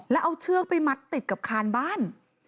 แล้วเอาเชือกไปมัดติดกับคานบ้าน